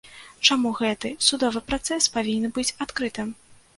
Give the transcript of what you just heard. Чаму гэты судовы працэс павінен быць адкрытым?